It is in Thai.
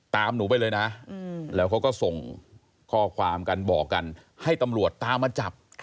หนูไปเลยนะแล้วเขาก็ส่งข้อความกันบอกกันให้ตำรวจตามมาจับ